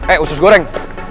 eh usus goreng